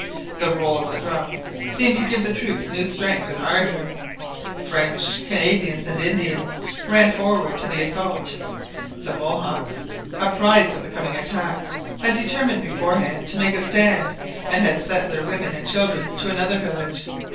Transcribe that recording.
The roll of the drums seemed to give the troops new strength and ardour; French, Canadians, and Indians ran forward to the assault. The Mohawks, apprised of the coming attack, had determined beforehand to make a stand and had sent their women and children to another village.